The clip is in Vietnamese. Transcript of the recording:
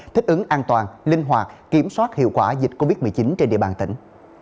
thích ứng an toàn linh hoạt kiểm soát hiệu quả dịch covid một mươi chín trên địa bàn tỉnh